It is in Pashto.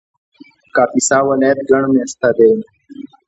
کاپیسا ولایت ګڼ مېشته دی